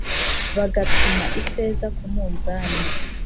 bagapima ifeza ku munzani